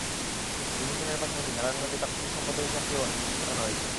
নূর হোসেনের পাশাপাশি নারায়ণগঞ্জে তাঁর স্ত্রীর সম্পদের হিসাব চেয়েও নোটিশ পাঠানো হয়েছে।